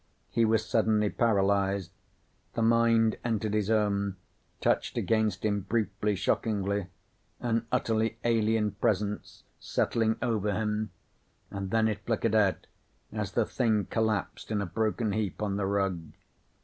He was suddenly paralyzed. The mind entered his own, touched against him briefly, shockingly. An utterly alien presence, settling over him and then it flickered out as the thing collapsed in a broken heap on the rug.